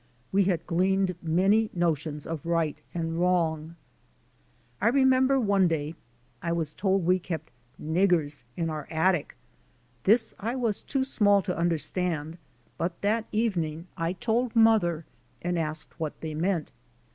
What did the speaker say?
We had gleaned many notions of right and wrong. I remember one day I was told we kept niggers'' in our attic. This I was too small to understand but that even ing I told mother and asked what they meant.